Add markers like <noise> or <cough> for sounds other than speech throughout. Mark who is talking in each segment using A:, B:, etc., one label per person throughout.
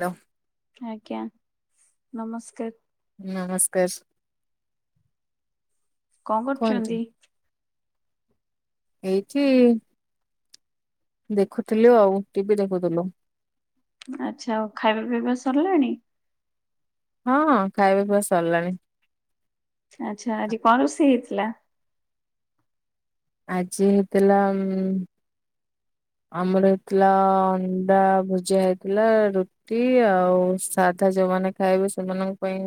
A: Hello.
B: ଆଜ୍ଞା ନମସ୍କାର୍।
A: ନମସ୍କାର୍ ସ।
B: କଣ
A: କୁହନ୍ତୁ।
B: କରୁଚନ୍ତି?
A: ଏଇଠି ଦେଖୁଥିଲୁ ଆଉ ଟିଭି ଦେଖୁଥିଲୁ।
B: ଆଚ୍ଛା ଆଉ ଖାଇବା ପିଇବା ସରିଲାଣି।
A: ହଁ-ହଁ ଖାଇବା ପିଇବା ସରିଲାଣି।
B: ଆଚ୍ଛା ଆଜି କଣ ରୋଷେଇ ହେଇଥିଲା?
A: ଆଜି ହେଇଥିଲା ଉୁଁ ଉୁଁ ଆମର ହେଇଥିଲା ଅଣ୍ଡା ଭୁଜିଆ ହେଇଥିଲା ରୁ ଟି ଆଉ ସାଧା ଯୋଉମାନେ ଖାଇବେ ସେମାନଙ୍କ ପାଇଁ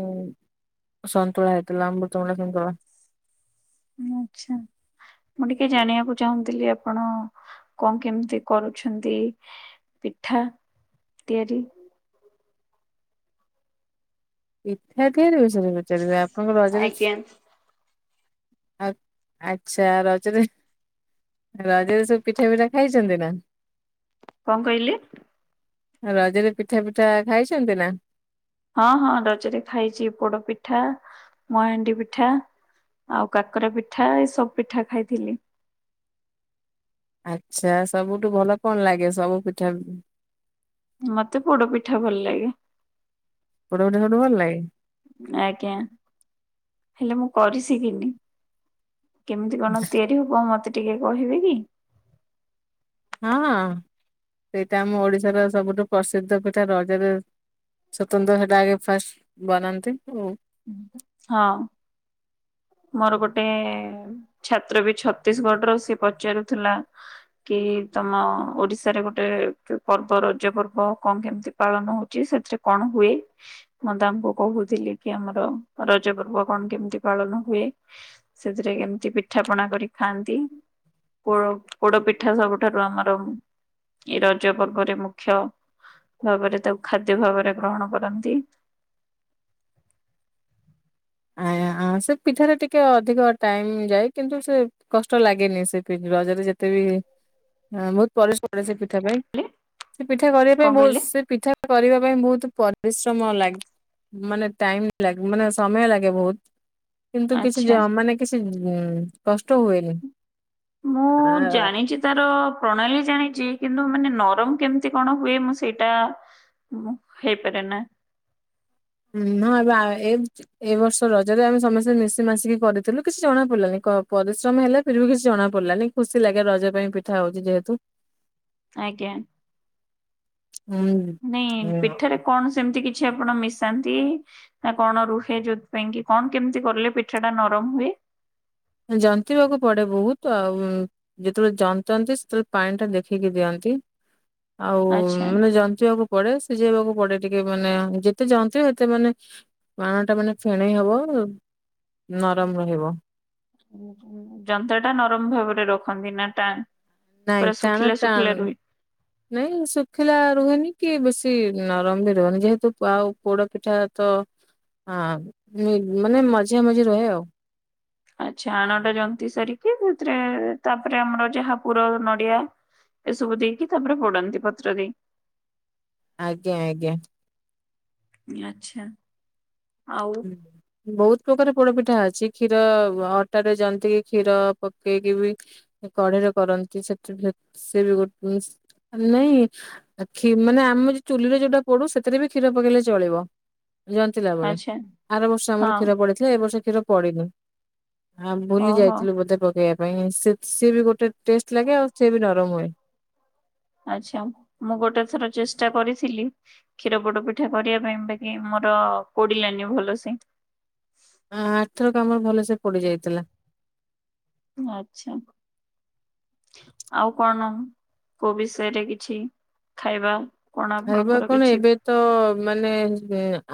A: ସନ୍ତୁଳା ହେଇଥିଲା ଅମୃତମଣ୍ଡା ସନ୍ତୁଳା।
B: ଆଚ୍ଛା। ମୁଁ ଟିକେ ଜାଣିବାକୁ ଚାହୁଁଥିଲି ଆପଣ କଣ କେମିତି କରୁଛନ୍ତି? ପିଠା ତିଆରି
A: ପିଠା ତିଆରି ବିଷୟରେ ପଚାରିବେ ଆପଣ ରଜରେ
B: ଆଜ୍ଞା।
A: ଆଉ ଆଚ୍ଛା ରଜରେ ରଜରେ ସବୁ ପିଠା ଫିଠା ଖାଇଛନ୍ତିନା।
B: କଣ କହିଲେ?
A: ରଜରେ ପିଠା ଫିଠା ଖାଇଛନ୍ତିନା।
B: ହଁ ହଁ ରଜରେ ଖାଇଚି ପୋଡ ପିଠା ମୋହାଣ୍ଡି ପିଠା। ଆଉ କାକରା ପିଠା ଏସବୁ ପିଠା ଖାଇଥିଲି।
A: ଆଚ୍ଛା ସବୁଠୁ ଭଲ କଣ ଲାଗେ ସବୁ ପିଠା?
B: ମତେ ପୋଡ ପିଠା ଭଲ ଲାଗେ।
A: ପୋଡ ପିଠା ସବୁଠୁ ଭଲ ଲାଗେ।
B: ଆଜ୍ଞା ହେଲେ ମୁଁ କରି ସିକିନି କେମିତି କଣ ତିଆରି ହବ ମତେ ଟିକେ କହିବେକି?
A: ହଁ ହଁ ସେଇଟା ଆମ ଓଡିଶାର ସବୁଠୁ ପ୍ରସିଦ୍ଧ ପିଠା ରଜରେ ସତନ୍ତ୍ର ସେଟା ଆଗେ ଫାଷ୍ଟ ବନାନ୍ତି ଓ
B: <inaudible> ହଁ। ମୋର ଗୋଟେ ଛାତ୍ରବି ଛତିଶଗଡର ସେ ପଚାରୁଥିଲା କି ତମ ଓଡିଶାରେ ଗୋଟେ ପର୍ବ ରଜପର୍ବ କଣ କେମିତି? ପାଳନ ହଉଛି ସେଥିରେ କଣ ହୁଏ ମନ୍ଦା ଆମକୁ କହୁଥିଲେକି ଆମର ରଜପର୍ବ କଣ କେମିତି ପାଳନ ହୁଏ? ସେଥିରେ କେମିତି ପିଠାପଣା କରି ଖାଆନ୍ତି? ପୋଡ ପୋଡପିଠା ସବୁଠାରୁ ଆମର ଏ ରଜ ପର୍ବରେ ମୁଖ୍ୟ ଭାବରେ ତାକୁ ଖାଦ୍ୟ ଭାବରେ ଗ୍ରହଣ କରନ୍ତି।
A: ଆଇଁଆ ଆଁ ସେ ପିଠାରେ ଟିକେ ଅଧିକ ଟାଇମ ଯାଏ କିନ୍ତୁ ସେ କଷ୍ଟ ଲାଗେନି ସେ ପି ରଜରେ ଯେତେବି ଏଁ ବହୁତ ପରିଶ୍ରମ <unintelligible> ସେ ପିଠା ପାଇଁ। ସେ ପିଠା କରିବା ପାଇଁ
B: କଣ
A: ବହୁତ
B: କହିଲେ
A: ସେ ପିଠା କରିବା ପାଇଁ ବହୁତ ପରିଶ୍ରମ ଲାଗେ ମାନେ ଟାଇମ ଲାଗେ ମାନେ ସମୟ ଲାଗେ। ବହୁତ କିନ୍ତୁ କିଛି
B: ଆଚ୍ଛା
A: ଜ ମାନେ କିଛି କଷ୍ଟ ହୁଏନି।
B: ମୁଁ
A: ଆ
B: ଜାଣିଚି। ତାର ପ୍ରଣାଳୀ ଜାଣିଚି କିନ୍ତୁ ମାନେ ନରମ କେମିତି କଣ ହୁଏ ମୁଁ ସେଇଟା ମୁଁ ହେଇପାରେନା
A: ନୂଆଗାଁ ଏମ ଏ ବର୍ଷ ରଜରେ ଆମେ ସମସ୍ତେ ମିସି ମାସିକି କରିଥିଲୁ କିଛି ଜଣା ପଡିଲାନି କ ପରିଶ୍ରମ ହେଲା ଫିରବି କିଛି ଜଣା ପଡିଲାନି। ଖୁସି ଲାଗେ ରଜପାଇଁ ପିଠା ହଉଚି ଯେହେତୁ।
B: ଆଜ୍ଞା।
A: <unintelligible>
B: ନାଇଁ
A: ହୁଁ,
B: ପିଠାରେ କଣ ସେମିତି କିଛି ଆପଣ ମିଶ ତାନ୍ତି ନା କଣ ରୁହେ ଯୋଉଥିପାଇଁକି କଣ କେମିତି କଲେ ପିଠାଟା ନରମ ହୁଏ?
A: ଯନ୍ତିବାକୁ ପଡେ ବହୁତ ଆଉ ଯେତେବେଳେ ଜନ୍ତନ୍ତି ସେତେବେଳେ ପାଣିଟା ଦେଖିକି ଦିଅନ୍ତି। ଆଉ
B: ଆଚ୍ଛା
A: ମାନେ ଜନ୍ତିବାକୁ ପଡେ ସିଝେଇବାକୁ ପଡେ ଟିକେ ମାନେ ଯେତେ ଜନ୍ତ ସେତେ ମାନେ ଆଣଟା ମାନେ ଫେଣେଇ ହବ ନରମ ରହିବ।
B: ଯନ୍ତାଟା ନରମ ଭାବରେ ରଖନ୍ତି ନା ଟଣ।
A: ନାଇଁ ଟାଣ ଟନ୍ ନାଇଁ ଶୁଖିଲା ରୁହେନି କି ବେଶୀ ନରମ ବି ରୁହେନି ଯେହେତୁ ଆଉ ପୋଡ ପିଠା ତ ଆ ମି ମାନେ ମଝା ମଝି ରହେ ଆଉ।
B: ଆଚ୍ଛା ଆଣଟା ଜନ୍ତି ସାରିକି ସେଥିରେ ତାପରେ ଆମର ଯାହା ପୁର ନଡିଆ ଏସବୁ ଦେଇକି ତାପରେ ପଡନ୍ତି ପତ୍ର ରେ
A: ଆଜ୍ଞା ଆଜ୍ଞା।
B: ଆଚ୍ଛା ଆଉ
A: ହୁଁ। ବହୁତ ପ୍ରକାର ପୋଡପିଠା ଅଛି କ୍ଷୀର ଅଟାରେ ଯନ୍ତି କ୍ଷୀର ପକେଇକି ବି କଢେଇରେ କରନ୍ତି ସେଥି <unintelligible> ସେ ବି ଗୋଟେ ନାଇଁ କ୍ଷି ଆମେ ଯଉ ଚୁଲିରେ ଯୋଉଟା ପଡୁ ସେଥିରେ ବି କ୍ଷୀର ପକେଇଲେ ଚଳିବ ଜନ୍ତିଲା ବେଳେ
B: ଆଛା
A: ଆର ବର୍ଷ ଆମର କ୍ଷୀର ପଡିଥିଲା ଏ ବର୍ଷ କ୍ଷୀର ପଡିନି ଆଉ ଭୁଲି
B: ଓହୋ
A: ଯାଇଥିଲୁ ବୋଧେ ପକେଇବାକୁ ପାଇଁ ସେ ସିଏ ବି ଗୋଟେ ଟେଷ୍ଟ ଲାଗେ ଆଉ ସିଏ ବି ନରମ ହୁଏ
B: ଆଚ୍ଛା ମୁଁ ଗୋଟେ ଥର ଚେଷ୍ଟା କରିଥିଲି କ୍ଷୀର ପୋଡ ପିଠା କରିବା ପାଇଁ ବାକି ମୋର କୋଡିଲାନି ଭଲସେ
A: ଆ ଆରଥରକ ଆମର ଭଲ ସେ ପଡି ଯାଇଥିଲା
B: ଆଛା ଆଉ କଣ କୋଉ ବିଷୟରେ କିଛି ଖାଇବା କଣ
A: ଖାଇବା
B: ଆପଣଙ୍କର
A: କଣ
B: କିଛି
A: ଏବେ ତ ମାନେ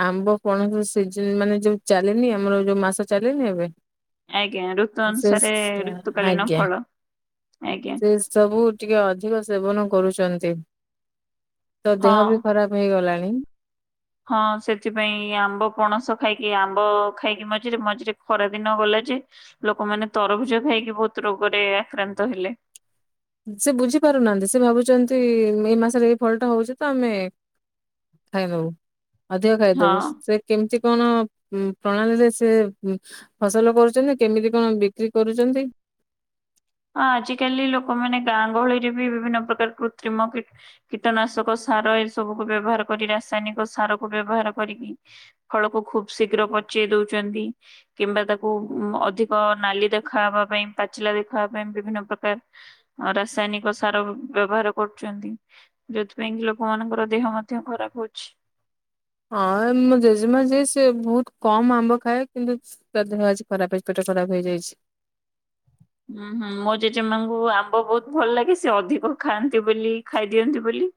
A: ଆମ୍ବ ପଣସ ସିଜିନ ମାନେ ଯୋଉ ଚାଲିନି ଆମର ଯୋଉ ମାସ ଚାଲିଲି ଏବେ <unintelligible>
B: ଆଜ୍ଞା ଋତ
A: ସେ
B: ଅନୁସାରେ ଋତୁକାଳୀନ
A: ଆଜ୍ଞା
B: ଫଳ ଆଜ୍ଞା
A: ସେ ସବୁ ଟିକେ ଅଧିକ ସେବନ କରୁଛନ୍ତି ତ
B: ହଁ।
A: ଦେହ ବି ଖରାପ ହେଇଗଲାଣି
B: ହଁ ସେଥିପାଇଁ ଆମ୍ବ ପଣସ ଖାଇକି ଆମ୍ବ ଖାଇକି ମଝିରେ ମଝିରେ ଖରା ଦିନ ଗଲା ଯେ ଲୋକମାନୋନ ତରଭୁଜ ଖାଇକି ବହୁତ ରୋଗରେ ଆକ୍ରାନ୍ତ ହେଲେ
A: ସେ ବୁଝି ପାରୁନାହାନ୍ତି ସେ ଭାବୁଛନ୍ତି ମେ ମାସରେ ଏଇ ଫଲଟା ହଉଛି ତ ଆମେ ଖାଇ ଦବୁ ଅଧିକ ଖାଇଦବୁ
B: ହଁ
A: ସେ କେମିତି କଣ ପ୍ରଣାଳୀରେ ସେ ଫସଲ କରୁଛନ୍ତି କେମିତି କଣ ବିକ୍ରି କରୁଛନ୍ତି
B: ହଁ ଆଜିକାଲି ଲୋକମାନେ ଗାଁ ଗହଳିରେ ବି ବିଭିନ୍ନ ପ୍ରକାର କୃତ୍ରିମ କୀଟନାଶକ ସାର ଏସବୁକୁ ବ୍ୟବହାର କରି ରାସାୟନିକ ସାର କୁ ବ୍ୟବହାର କରିକି ଫଳକୁ ଖୁବ ଶୀଘ୍ର ପଚେଇ ଦଉଛନ୍ତି କିମ୍ବା ତାକୁ ଅଧିକ ନାଲି ଦେଖାହବା ପାଇଁ ପାଚିଲା ଦେଖାହବା ପାଇଁ ବିଭିନ୍ନ ପ୍ରକାର ଆ ରାସାୟନିକ ସାର ବ୍ୟବହାର କରୁଛନ୍ତି ଯୋଉଥିପାଇଁ କି ଲୋକମାନଙ୍କର ଦେହ ମଧ୍ୟ ଖରାପ ହଉଛି
A: ହଁ ମୋ ଜେଜେମା ଯିଏ ସେ ବହୁତ କମ୍ ଆମ୍ବ ଖାଏ କିନ୍ତୁ ତା ଦେହ ଆଜି ଖରାପ ହେଇଛି ପେଟ ଖରାପ ହେଇଯାଇଛି
B: ହୁଁ ହୁଁ ମୋ ଜେଜେମାଙ୍କୁ ଆମ୍ବ ବହୁତ ଭଲ ଲାଗେ ସେ ଅଧିକ ଖାଆନ୍ତି ବୋଲି ଖାଇଦିଅନ୍ତି ବୋଲି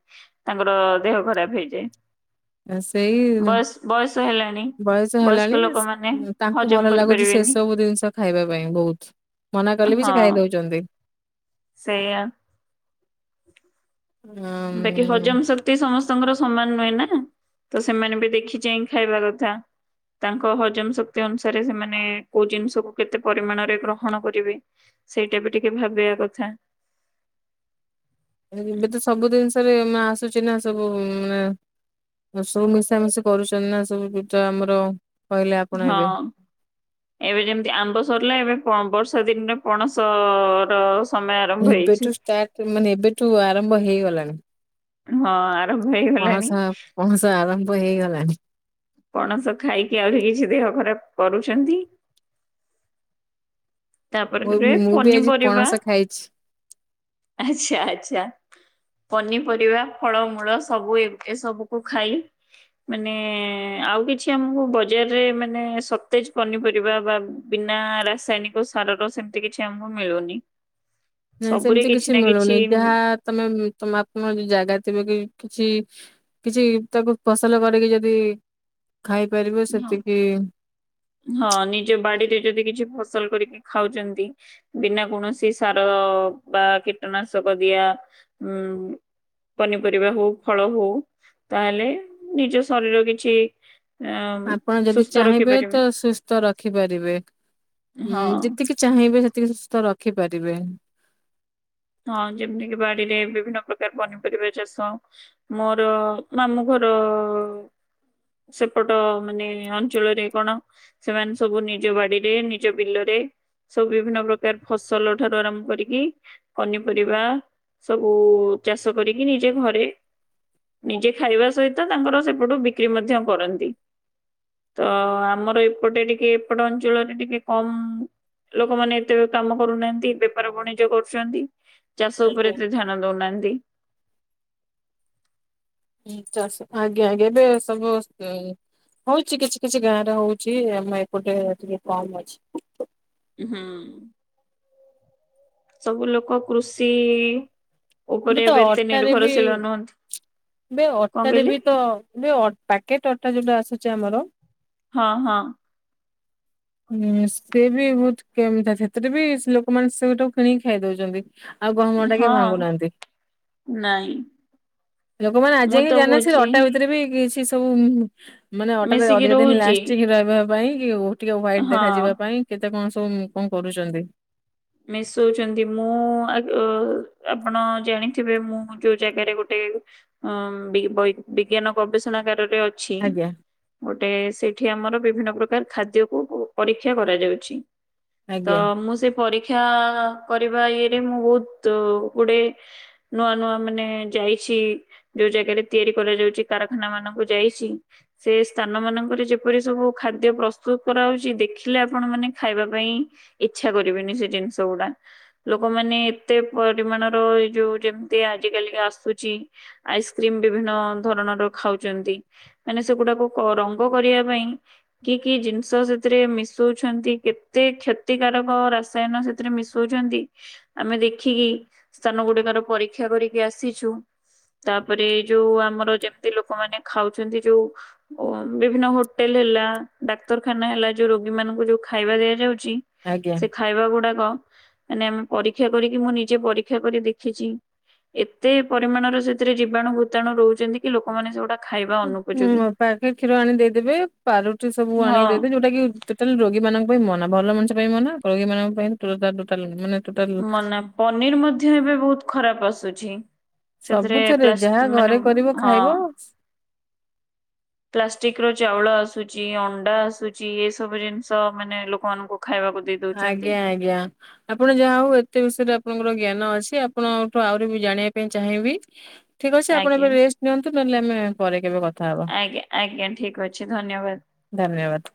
B: ତାଙ୍କର ଦେହ ଖରାପ ହେଇଯାଏ
A: ସେଇ
B: ବୟସ ବୟସ ହେଲାଣି
A: ବୟସ
B: ବୟସ୍କ
A: ହେଲାଣି
B: ଲୋକମାନେ
A: ତାଙ୍କୁ
B: ହଜମ
A: ଭଲ ଲାଗୁଛି ସେ
B: କରିପାରିବେନି।
A: ସବୁ ଜିନିଷ ଖାଇବା ପାଇଁ ବହୁତ। ମନା କଲେ ବି ସେ
B: ହଁ
A: ଖାଇ ଦଉଛନ୍ତି।
B: ସେଇଆ
A: ଉଁ
B: ବାକି ହଜମ ସ କ୍ତି ସମସ୍ତଙ୍କର ସମାନ ନୁହେଁ ନା ତ ସେମାନେ ବି ଦେଖି ଚାଇଁ ଖାଇବା କଥା। ତାଙ୍କ ହଜମ ଶକ୍ତି ଅନୁସାରେ ସେମାନେ କୋଉ ଜିନିଷକୁ କେତେ ପରିମାଣରେ ଗ୍ରହଣ କରିବେ। ସେଇଟା ବି ଟିକେ ଭାବିବା କଥା।
A: ଏବେ ତ ସବୁ ଜିନିଷରେ ମା ଆସୁଛି ନା ସବୁ ନା ସବୁ ମିଶାମିଶି କରୁଛନ୍ତି ନା ସବୁ ପୂଜା ଆମର। କହିଲେ ଆପଣ ଏବେ
B: ହଁ। ଏବେ ଯେମିତି ଆମ୍ବ ସରିଲା ଏବେ ବର୍ଷା ଦିନରେ ପଣସ ର ସମୟ ଆରମ୍ଭ ହେଇଛି।
A: ଏବେଠୁ ଷ୍ଟାର୍ଟ ମାନେ ଏବେଠୁ ଆରମ୍ଭ ହେଇଗଲାଣି।
B: ହଁ ଆରମ୍ଭ ହେଇଗଲାଣି।
A: ପଁସ ଆରମ୍ଭ ହେଇଗଲା।
B: ପଣସ ଖାଇକି ଆହୁରି କିଛି ଦେହ ଖରାପ କରୁଛନ୍ତି।
A: ମୁଁ
B: ତାପରେେ
A: ମୁଁ ବି ଆଜି
B: ପନିପରିବା
A: ପଣସ ଖାଇଛି।
B: ଆଚ୍ଛା ଆଚ୍ଛା। ପନିପରିବା ଫଳମୂଳ ସବୁ ଏ ସବୁକୁ ଖାଇ ମାନେ ଆଉ କିଛି ଆମକୁ ବଜାରରେ ମାନେ ସତେଜ ପନିପରିବା ବା ବିନା ରାସାୟନିକ ସାରର ସେମତି କିଛି ଆମକୁ ମିଳୁନି।
A: ନାଇଁ ସେମିତି କିଛି ମିଳୁନି ଯାହା ତମେ ତମ ଆପମ ଯୋଉ ଜାଗା ଥିବେ କିଛି କିଛ ଉତାପ ଫସଲ କରିକି ଯଦି ଖାଇପାରିବ
B: ହଁ
A: ସେତିକି
B: ହଁ ନିଜ ବାଡିରେ ଯଦି କିଛି ଫସଲ କରିକି ଖାଉଛନ୍ତି ବିନା କୌଣସି ସାର ବା କୀଟନାଶକ ଦିଆ ଉଁ ପନିପରିବା ହଉ ଫଳ ହଉ ତାହେଲେ ନିଜ ଶରୀର କିଛି ଅଁ
A: ଆପଣ ଯଦି
B: ସୁସ୍ଥ
A: ଚାହିଁବେ
B: ରଖିପାରିବେ
A: ତ ସୁସ୍ଥ ରଖିପାରିବେ
B: ହଁ
A: ଉଁ ଯେତିକି ଚାହିଁବେ ସେତିକି ସୁସ୍ଥ ରଖିପାରିବେ।
B: ହଁ ଯେମିତି କିି ବାଡିରେ ବିଭିନ୍ନ ପ୍ରକାର ପନିପରିବା ଚାଷ ମୋର ମାମୁଁ ଘର ସେପଟ ମାନେ ଅଞ୍ଚଳରେ କଣ ସେମାନେ ସବୁ ନିଜ ବାଡିରେ ନିଜ ବିଲରେ ସବୁ ବିଭିନ୍ନ ପ୍ରକାର ଫସଲ ଠାରୁ ଆରମ୍ଭ କରିକି ପନିପରିବା ସବୁ ଚାଷ କରିକି ନିଜେ ଘରେ ନିଜେ ଖାଇବା ସହିତ ତାଙ୍କର ସେପଟୁ ବିକ୍ରି ମଧ୍ୟ କରନ୍ତି। ତ ଆମର ଏପଟେ ଟିକେ ଏପଟ ଅଞ୍ଚଳରେ ଟିକେ କମ୍ ଲୋକମାନେ ଏତେ ଆଉ କାମ କରୁନାହାନ୍ତି ବେପାର ବଣିଜ କରୁଛ ଛନ୍ତି ଚାଷ
A: ଆଜ୍ଞା।
B: ଉପରେ ଏତେ ଧ୍ୟାନ ଦଉନାହାନ୍ତି।
A: ଁ ଚାଷ ଆଜ୍ଞା ଆ୍ ଏବେ ସବୁ <unintelligible> ହଉଛି କିଛି କିଛି ଗାଁ ରେ ହଉଛି ଆମ ଏପଟେ ଟିକେ କମ୍ ଅଛି।
B: ହଁ। ସବୁ ଲୋକ କୃଷି ଉପରେ
A: ଏବେ ତ
B: ଏତେ
A: ଅଟାରେ ବି
B: ନିର୍ଭରଶୀଳ ନୁହନ୍ତି
A: ଏବେ
B: କଣ
A: ଅଟାରେ
B: କହିଲେ?
A: ବି ତ ଏବେ ଅଟ ପ୍ୟାକେଟ୍ ଅଟା ଯୋଉଟା ଆସୁଛି ଆମର
B: ହଁ ହଁ।
A: ହୁଁ ସେ ବି ବହୁତ କେମ ସେଥିରେ ବି ଲୋକମାନେ ସେଟାକୁ କିଣିକି ଖାଇଦଉଛନ୍ତି।
B: ହଁ ନାଇଁ।
A: ଲୋକମାନେ
B: ମୁଁ
A: ଆଜିଯାଏ
B: ତ
A: ଜାଣିନାହାନ୍ତି ସେ
B: କହୁଛି
A: ଅଟା ଭିତରେ ବି କିଛି ସବୁ ମାନେ ଅଟାରେ
B: ମିଶିକି
A: ଅଧିକ ଦିନ
B: ରହୁଛି
A: ଲାଷ୍ଟିଙ୍ଗ ରହିବା ପାଇଁ କି ଟିକେ ହ୍ୱାଇଟ
B: ହଁ।
A: ଦେଖାଯିବା ପାଇଁ କେତେ କଣ ସବୁ କଣ କରୁଛନ୍ତି?
B: ମିଶଉଛନ୍ତି ମୁଁ ଆଗ ଆପଣ ଜାଣିଥିବେ ମୁଁ ଯୋଉ ଜାଗାରେ ଗୋଟେ ହଁ ବି ବୈ ବିଜ୍ଞାନ ଗବେଷଣାଗାରରେ ଅ ଅଛି।
A: ଆଜ୍ଞା
B: ଗୋଟେ ସେଇଠି ଆମର ବିଭିନ୍ନ ପ୍ରକାର ଖାଦ୍ୟକୁ ପରୀକ୍ଷା କରାଯାଉଛି। ତ
A: ଆଜ୍ଞା
B: ମୁଁ ସେ ପରୀକ୍ଷା କରିବା ଇଏରେ ମୁଁ ବହୁତ ଗୁଡ଼େ ନୂଆ ନୂଆ ମାନେ ଯାଇଛି ଯୋଉ ଜାଗାରେ ତିଆରି କରାଯାଉଛି କାରଖାନା ମାନଙ୍କୁ ଯାଇଛି। ସେ ସ୍ଥାନ ମାନଙ୍କରେ ଯେପରି ସବୁ ଖାଦ୍ୟ ପ୍ରସ୍ତୁତ କରାହଉଛି ଦେଖିଲେ ଆପଣ ମାନେ ଖାଇବା ପାଇଁ ଇଚ୍ଛା କରିବେନି ସେ ଜିନିଷ ଗୁଡା। ଲୋକମାନେ ଏତେ ପରିମାଣର ଏଇ ଯୋଉ ଯେମିତି ଆଜି କାଲିକା ଆସୁଛି ଆଇସ୍କ୍ରିମ ବିଭିନ୍ନ ଧରଣର ଖାଉଛନ୍ତି। ମାନେ ସେଗୁଡାକୁ ରଙ୍ଗ କରିବା ପାଇଁ କି କି ଜିନିଷ ସେଥିରେ ମିଶଉଛନ୍ତି କେତେ କ୍ଷତିକାରକ ରା- ରସାୟନ ସେଥିରେ ମିଶଉଛନ୍ତି ଆମେ ଦେଖିକି ସ୍ଥାନ ଗୁଡିକର ପରୀକ୍ଷା କରିକି ଆସିଛୁ। ତାପରେ ଏଇ ଯୋଉ ଆମର ଯେମିତି ଲୋକମାନେ ଖାଉଛନ୍ତି ଯୋଉ ଓ ବିଭିନ୍ନ ହୋଟେଲ ହେଲା, ଡାକ୍ତରଖାନା ହେଲା, ଯୋଉ ରୋଗୀ ମାନଙ୍କୁ ଯୋଉ ଖାଇବା ଦିଆଯାଉଛି
A: ଆଜ୍ଞା।
B: ସେ ଖାଇବା ଗୁଡାକ ମାନେ ଆମେ ପରୀକ୍ଷା କରିକି ମୁଁ ନିଜେ ପରୀକ୍ଷା କରି ଦେଖିଛି। ଏତେ ପରିମାଣର ସେଥିରେ ଜୀବାଣୁ ଭୂତାଣୁ ରହୁଛନ୍ତି। କି ଲୋକମାନେେ ସେଗୁଡ଼ା ଖାଇଵା
A: ହୁଁ, ପାକେଟ କ୍ଷୀର ଆଣି ଦେଇଦେବେ ପାଉଁରୁଟି ସବୁ ଆଣି
B: ହଁ
A: ଦେଇଦେବେ ଯୋଉଟା କି ଟୋଟାଲ ରୋଗୀ ମାନଙ୍କ ପାଇଁ ମନା। ଭଲ ମଣିଷ ପାଇଁ ମନା ରୋଗୀମାନଙ୍କ ପାଇଁ ଟୋଟାଲ ଟୋଟଲ ମନା। ମାନେ ଟୋଟାଲ
B: ମାନେ ପନିର ମଧ୍ୟ ଏବେ ବହୁତ ଖରାପ ଆସୁଛି। ସେଥିରେ
A: ସବୁଥିରେ ଯାହା
B: ପ୍ଳାଷ୍ଟ
A: ଘରେ
B: ମାନେ
A: କରିବ
B: ହଁ।
A: ଖାଇବ
B: ପ୍ଲାଷ୍ଟିକ ର ଚାଉଳ ଆସୁଛି, ଅଣ୍ଡା ଆସୁଛି, ଏ ସବୁ ଜିନିଷ ମାନେ ଲୋକମାନଙ୍କୁ ଖାଇବାକୁ ଦେଇ ଦଉଛନ୍ତି।
A: ଆଜ୍ଞା, ଆଜ୍ଞା। ଆପଣ ଯାହା ହଉ ଏତେ ବିଷୟରେ ଆପଣଙ୍କର ଜ୍ଞାନ ଅଛି। ଆପଣଠୁ ଆହୁରି ବି ଜାଣିବା ପାଇଁ ଚାହିଁବି?
B: ହ
A: ଠିକ୍ ଅଛି ଆପଣ ଏବେ ରେଷ୍ଟ ନିଅନ୍ତୁ ନହେଲେ ଆମ ପରେ କେବେ କଥା ହବା
B: ଆଜ୍ଞା, ଆଜ୍ଞା, ଠିକ ଅଛି ଧନ୍ୟବାଦ।
A: ଧନ୍ୟବାଦ।